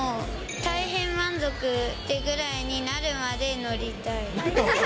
大変満足ってぐらいになるまで乗りたい。